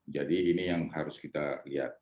jadi ini yang harus kita lihat